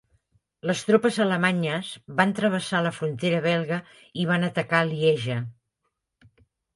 Les tropes alemanyes van travessar la frontera belga i van atacar Lieja.